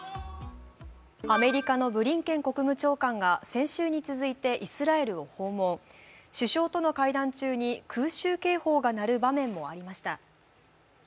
アメリカのブリンケン国務長官が先週に続いてイスラエルを訪問、首相との会談中に空襲警報が鳴る場面もありました。